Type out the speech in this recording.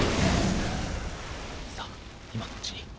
さぁ今のうちに。